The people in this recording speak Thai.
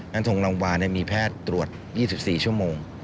ดังทงโรงพยาบาลมีแพทย์ตรวจ๒๔ชั่วโมง